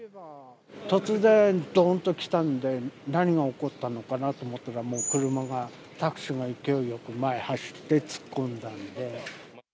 突然、どんときたんで、何が起こったのかなと思ったら、もう車が、タクシーが勢いよく前へ走って突っ込んだんで。